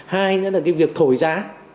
hai nữa là cái việc thổi giá